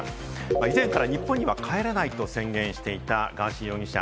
以前から日本には帰らないと宣言していたガーシー容疑者。